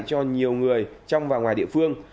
cho nhiều người trong và ngoài địa phương